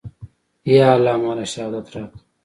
يا الله ما له شهادت راکه.